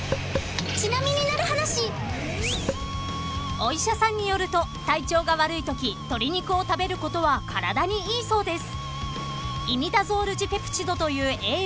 ［お医者さんによると体調が悪いとき鶏肉を食べることは体にいいそうです］